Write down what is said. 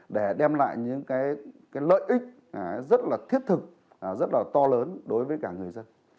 để đem lại những cái lợi ích rất là thiết thực rất là to lớn đối với cả người dân